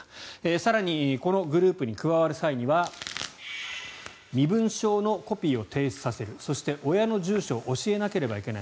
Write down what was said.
更にこのグループに加わる際には身分証のコピーを提出させるそして親の住所を教えなければいけない。